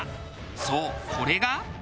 そうこれが。